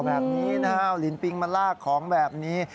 แบบนี้นะฮะเอาลินปิงมาลากของแบบนี้